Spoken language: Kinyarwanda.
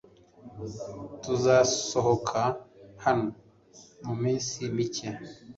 Tuzasohoka hano muminsi mike .